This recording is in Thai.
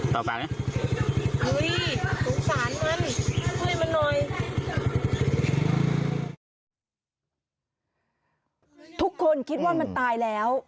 ทุกคนคิดว่ามันตายแล้ว